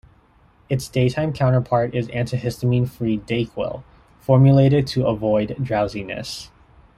Its daytime counterpart is antihistamine free DayQuil, formulated to avoid drowsiness.